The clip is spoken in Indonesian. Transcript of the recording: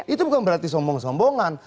itu bukan berarti sombong sombongan